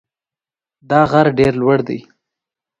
دا غر ډېر لوړ دی.